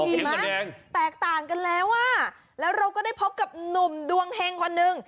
นี่มั๊ยแปลกต่างกันแล้วแล้วเราก็ได้พบกับหนุ่มดวงแฮงคนนึง